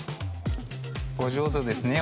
お上手ですね